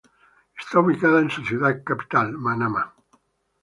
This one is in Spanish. Está ubicado en su ciudad capital, Manama.